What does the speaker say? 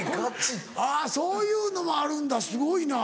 あっそういうのもあるんだすごいな。